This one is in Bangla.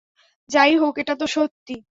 যাই হোক, এটা তো সত্যি।